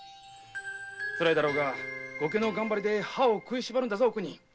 つらいだろうが後家の頑張りで歯を食いしばるんだぞお邦。